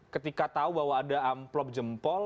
ketika tahu bahwa ada amplop jempol